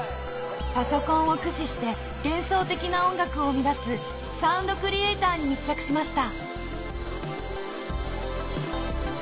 パソコンを駆使して幻想的な音楽を生み出すサウンドクリエイターに密着しました